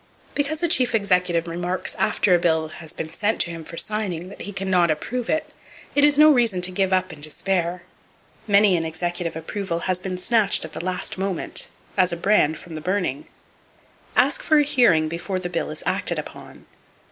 Because a Chief Executive remarks after a bill has been sent to him for signing that he "cannot approve it," it is no reason to give up in despair. Many an executive approval has been snatched at the last moment, as a brand from the burning. Ask for a hearing before the bill is acted upon.